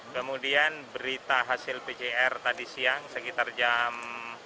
kemudian berita hasil pcr tadi siang sekitar jam tiga